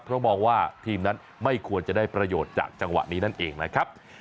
เพราะมองว่าทีมนั้นไม่ควรจะได้ประโยชน์จากจังหวะนี้นั่นเองนะครับ